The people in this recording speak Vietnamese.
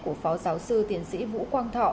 của phó giáo sư tiến sĩ vũ quang thọ